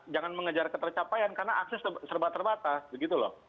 jangan mengejar ketercapaian karena akses serba terbatas begitu loh